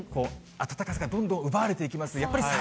暖かさがどんどん奪われていきます。